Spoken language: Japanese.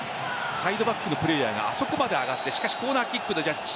サイドバックのプレーヤーがあそこまで上がってコーナーキックのジャッジ。